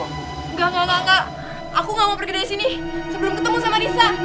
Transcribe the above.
engga engga engga aku gak mau pergi dari sini sebelum ketemu sama risa